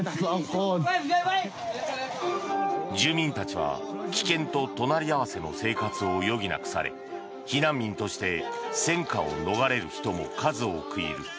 住民たちは危険と隣り合わせの生活を余儀なくされ避難民として戦火を逃れる人も数多くいる。